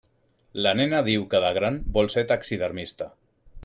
La nena diu que de gran vol ser taxidermista.